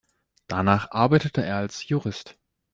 Danach arbeitete er als Jurist.